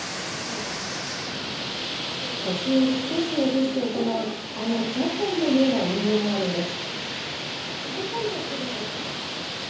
腰を少し落として行うあのジャッカルのような運動もあるんです。